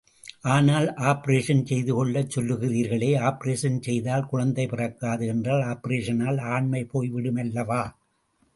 ஆனால் ஆப்பரேஷன் செய்துகொள்ளச் சொல்லுகிறீர்களே, ஆப்பரேஷன் செய்தால் குழந்தை பிறக்காது என்றால் ஆப்பரேஷனால் ஆண்மை போய் விடுமல்லவா?